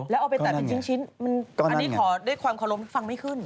แล้วเอาไปตัดเป็นชิ้นอันนี้ขอด้วยความเคารพฟังไม่ขึ้น